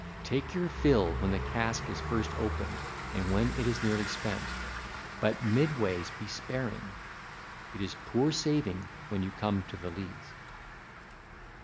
Take your fill when the cask is first opened and when it is nearly spent, but midways be sparing: it is poor saving when you come to the lees.